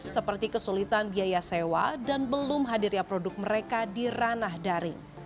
seperti kesulitan biaya sewa dan belum hadirnya produk mereka di ranah daring